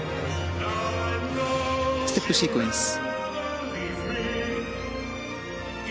ステップシークエンス。